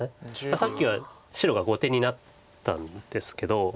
さっきは白が後手になったんですけど。